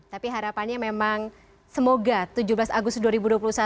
tapi harapannya memang semoga tujuh belas agustus ini